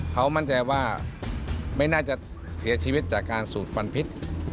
เขามั่นใจว่าไม่น่าจะเสียชีวิตจากการสูดฟันพิษ